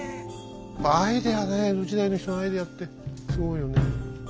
アイデアね江戸時代の人のアイデアってすごいよね。